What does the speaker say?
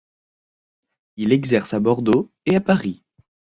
Il exerce à Bordeaux et à Paris.